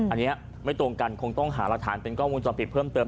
อันนี้ไม่ตรงกันคงต้องหารักฐานเป็นกล้องวงจรปิดเพิ่มเติม